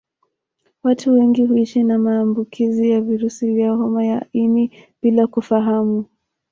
Watu wengi huishi na maambukizi ya virusi vya homa ya ini bila kufahamu